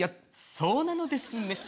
そうなのですね。